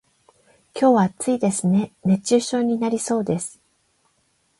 今日は暑いですね、熱中症になりそうです。